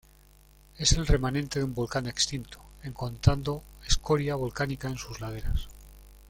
Es el remanente de un volcán extinto, encontrando escoria volcánica en sus laderas.